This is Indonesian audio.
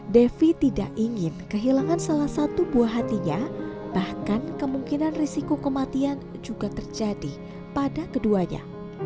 devi tidak ingin kehilangan salah satu buah hatinya bahkan kemungkinan risiko kematian juga terjadi pada keduanya